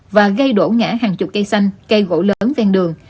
và gây đổ ngã hàng chục cây xanh cây gỗ lớn ven đường